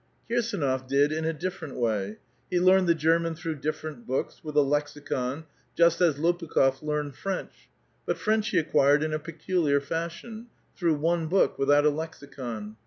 Kirsdnof did in a different way : he learned the German through different books, with a lexicon, just as Lopukh6f learned French, but French he acquired in a peculiar fashion — through one book without a lexicon.